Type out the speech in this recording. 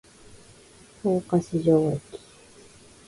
十日市場駅